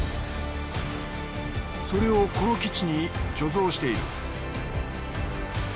それをこの基地に貯蔵している。